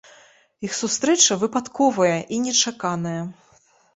Іх сустрэча выпадковая і нечаканая.